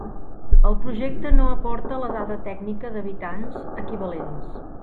El projecte no aporta la dada tècnica d'habitants-equivalents.